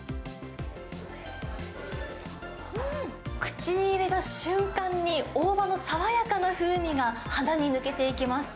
口に入れた瞬間に、大葉の爽やかな風味が鼻に抜けていきます。